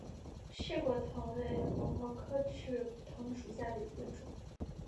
翅果藤为萝藦科翅果藤属下的一个种。